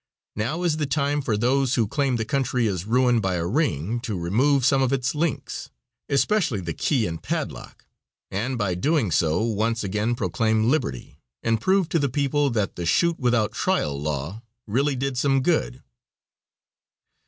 Now is the time for those who claim the country is ruined by a ring to remove some of its links, especially the key and padlock, and by doing so once again proclaim liberty, and prove to the people that the "shoot without trial law" really did some good.